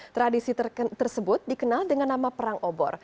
tradisi tersebut dikenal dengan nama perang obor